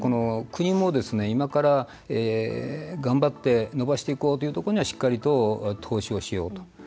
国も今から頑張って伸ばしていこうというところにはしっかりと投資をしようと。